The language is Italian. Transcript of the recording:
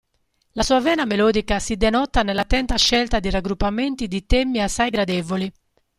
La sua vena melodica si denota nell'attenta scelta di raggruppamenti di temi assai gradevoli.